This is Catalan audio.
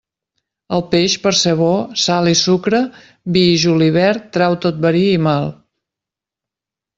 El peix, per ser bo, sal i sucre, vi i julivert trau tot verí i mal.